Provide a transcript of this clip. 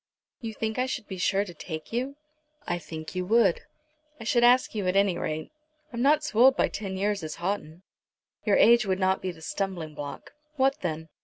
"You think I should be sure to take you." "I think you would. I should ask you at any rate. I'm not so old by ten years as Houghton." "Your age would not be the stumbling block." "What then?"